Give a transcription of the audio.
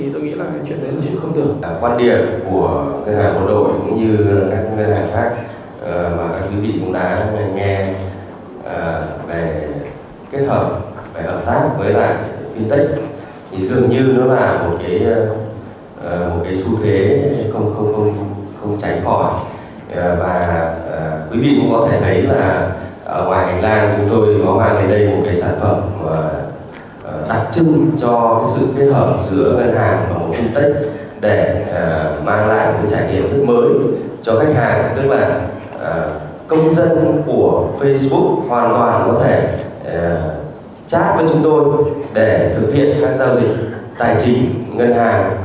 với việt tinh bank thì chúng tôi cũng đã hợp tác với khá nhiều fintech